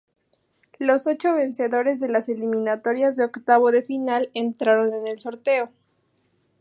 Los ocho vencedores de las eliminatorias de octavos de final entraron en el sorteo.